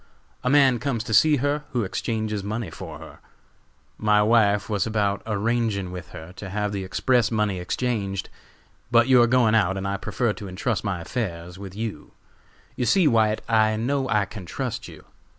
A man comes to see her who exchanges money for her. My wife was about arranging with her to have the express money exchanged, but you are going out and I prefer to entrust my affairs to you. You see, White, I know I can trust you.